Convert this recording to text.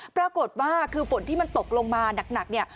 ปรากฏว่าคือฝนที่มันตกลงมาหนักเนี่ย